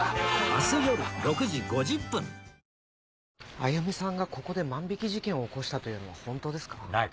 亜由美さんがここで万引き事件を起こしたというのは本当ですか？